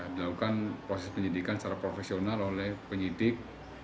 dilakukan proses penyidikan secara profesional oleh penyidik